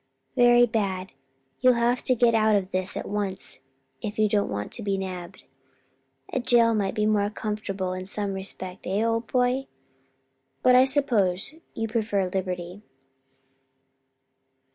"Very bad; you'll have to get out of this at once if you don't want to be nabbed. A jail might be more comfortable in some respects, eh, old boy? but I s'pose you prefer liberty.